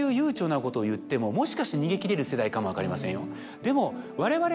かも分かりませんよでも。